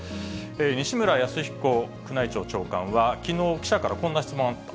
西村泰彦宮内庁長官は、きのう、記者からこんな質問があった。